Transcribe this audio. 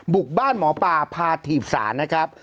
บุกบ้านหมอปลาพาถีบสารนะครับ